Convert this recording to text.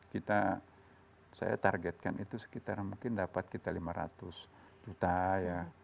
kita saya targetkan itu sekitar mungkin dapat kita lima ratus juta ya